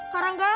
kak rangga kak